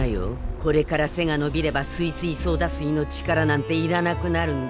これから背がのびればすいすいソーダ水の力なんていらなくなるんだ。